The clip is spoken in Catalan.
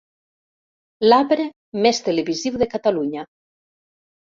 L'arbre més televisiu de Catalunya.